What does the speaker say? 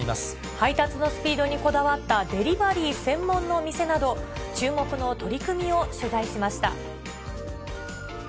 配達のスピードにこだわったデリバリー専門の店など注目の取り組みを取材しました。